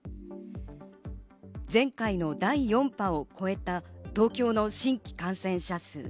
前回の第４波を超えた東京の新規感染者数。